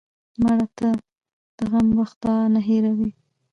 مړه ته د غم وخت دعا نه هېروې